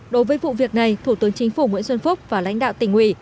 đối với vụ việc này thủ tướng chính phủ nguyễn xuân phúc và lãnh đạo tỉnh ủy